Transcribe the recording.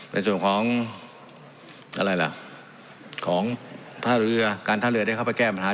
ในส่วนของอะไรล่ะของท่าเรือการท่าเรือได้เข้าไปแก้ปัญหา